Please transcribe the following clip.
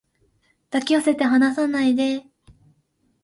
抱き寄せて離さないで